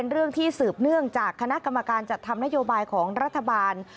เรื่องที่สืบเนื่องจากคณะกรรมการจัดทำนโยบายของรัฐบาล